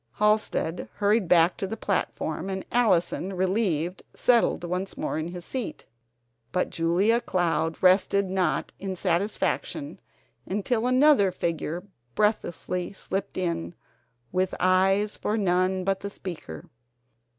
Halsted hurried back to the platform, and Allison, relieved, settled once more in his seat. But Julia Cloud rested not in satisfaction until another figure breathlessly slipped in with eyes for none but the speaker.